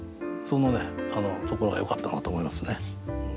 そのところがよかったなと思いますね。